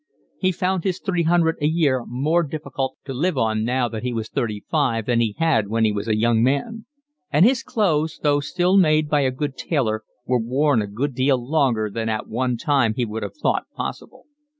He found his three hundred a year more difficult to live on now that he was thirty five than he had when he was a young man; and his clothes, though still made by a good tailor, were worn a good deal longer than at one time he would have thought possible.